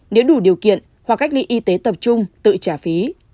nếu đủ điều kiện hoặc cách ly y tế tập trung tự trả phí